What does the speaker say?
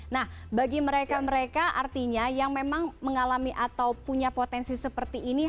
nah bagi mereka mereka artinya yang memang mengalami atau punya potensi seperti ini